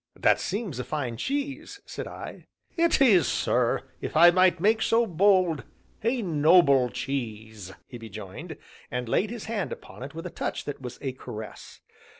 "That seems a fine cheese!" said I. "It is, sir, if I might make so bold, a noble cheese!" he rejoined, and laid his hand upon it with a touch that was a caress.